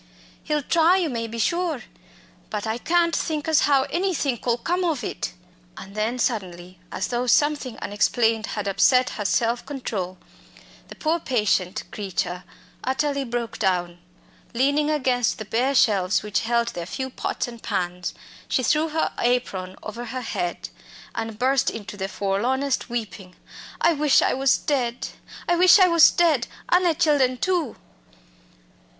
"He'll try, you may be sure. But I can't think as how anythink 'ull come ov it." And then suddenly, as though something unexplained had upset her self control, the poor patient creature utterly broke down. Leaning against the bare shelves which held their few pots and pans, she threw her apron over her head and burst into the forlornest weeping. "I wish I was dead; I wish I was dead, an' the chillen too!"